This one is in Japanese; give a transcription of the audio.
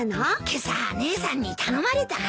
今朝姉さんに頼まれたからね。